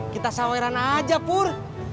kita saweran aja pur